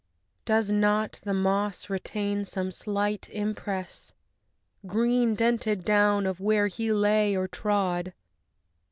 II Does not the moss retain some slight impress, Green dented down, of where he lay or trod?